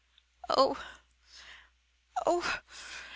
"Oh! oh!